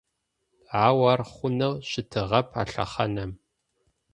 Ау ар хъунэу щытыгъэп а лъэхъаным…